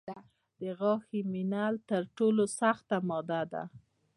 د غاښ امینل تر ټولو سخته ماده ده.